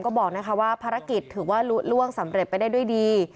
ก็บอกว่าภารกิจถือว่าลุล่วงสำเร็จไปได้ด้วยดี